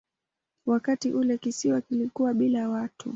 Wakati ule kisiwa kilikuwa bila watu.